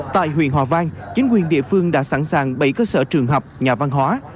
tại huyện hòa vang chính quyền địa phương đã sẵn sàng bảy cơ sở trường học nhà văn hóa